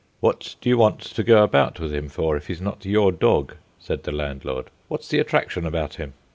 "What do you want to go about with him for, if he's not your dog?" said the landlord. "What's the attraction about him?"